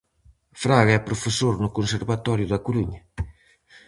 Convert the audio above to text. Fraga é profesor no conservatorio da Coruña.